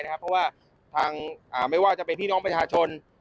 เพราะว่าทางไม่ว่าจะเป็นพี่น้องประชาชน